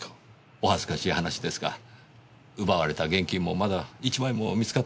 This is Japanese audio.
お恥ずかしい話ですが奪われた現金もまだ１枚も見つかっていません。